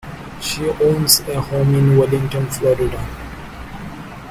She owns a home in Wellington, Florida.